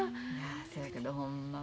そやけどほんま